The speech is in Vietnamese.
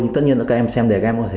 nhưng tất nhiên là các em xem đề game